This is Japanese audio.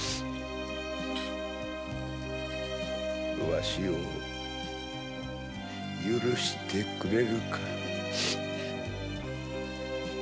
ワシを許してくれるか？